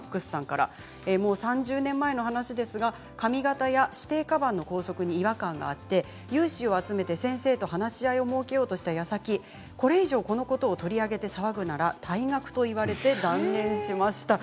もう３０年前の話ですが髪形や指定かばんの校則に違和感があり有志を集めて先生と話し合いを設けようとしたやさきこれ以上このことを取り上げて騒ぐなら退学と言われて断念しました。